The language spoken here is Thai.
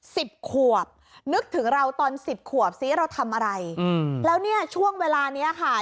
สิบขวบนึกถึงเราตอนสิบขวบซิเราทำอะไรอืมแล้วเนี่ยช่วงเวลาเนี้ยค่ะ